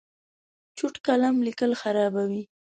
چوټ قلم لیکل خرابوي.